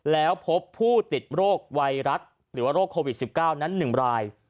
แล้วพบผู้ติดโรคไวรัสหรือว่าโรคโควิด๑๙นั้น๑ราย